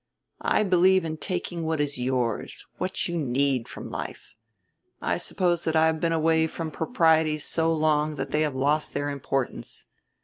I believe in taking what is yours, what you need, from life. I suppose that I have been away from proprieties so long that they have lost their importance.